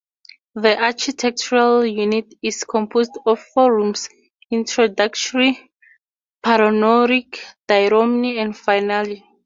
The architectural unit is composed of four rooms: introductory, panoramic, diorame and finale.